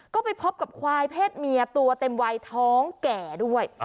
ก็ไปพบกับควายเพศเมียตัวเต็มวัยท้องแก่ด้วย